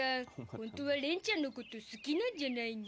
本当は、廉ちゃんのこと好きなんじゃないの？